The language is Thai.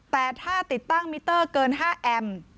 แต่ถ้าติดตั้งมิเตอร์เกิน๕แอม